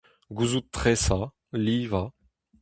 Gouzout tresañ, livañ.